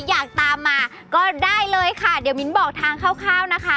อยากตามมาก็ได้เลยค่ะเดี๋ยวมิ้นบอกทางคร่าวนะคะ